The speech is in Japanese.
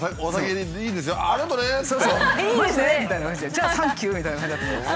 「じゃあサンキュー！」みたいな感じだと思うんです。